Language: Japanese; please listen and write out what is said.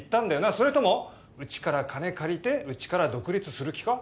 それともうちから金借りてうちから独立する気か？